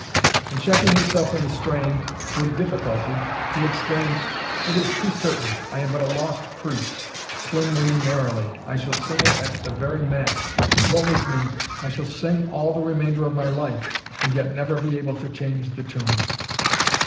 And checking himself in the strain with difficulty, he exclaimed, "It is too certain I am but a lost priest! Swim we merrily I shall sing it at the very mass Wo is me! I shall sing all the remainder of my life, and yet never be able to change the tune!"